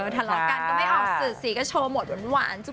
ทะเลาะกันก็ไม่ออกสื่อสีก็โชว์หมดหวาน